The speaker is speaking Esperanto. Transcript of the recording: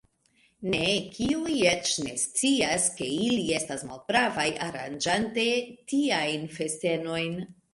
Ne, kiuj eĉ nescias, ke ili estas malpravaj, aranĝante tiajn festenojn.